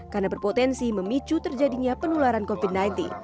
karena berpotensi memicu terjadinya penularan covid sembilan belas